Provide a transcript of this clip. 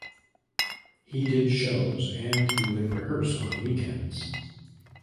He did shows and he would rehearse on weekends.